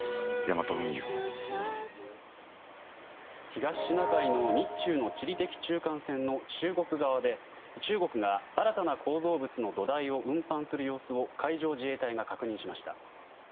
東シナ海の日中の地理的中間線の中国側で中国が、新たな構造物の土台を運搬する様子を海上自衛隊が確認しました。